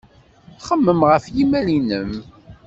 Xemmem ɣef yimal-nnem.